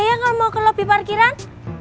kaya gak mau ke lobby parkiran